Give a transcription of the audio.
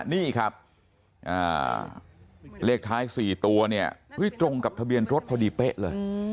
นี่ครับเลขท้าย๔ตัวเนี่ยตรงกับทะเบียนรถพอดีเป๊ะเลย